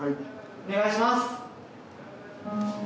お願いします。